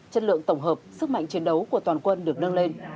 chất lượng tổng hợp sức mạnh chiến đấu của toàn quân được nâng lên